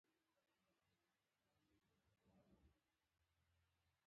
نو مقابل کس مو ممکن ځان نا ارامه احساس کړي.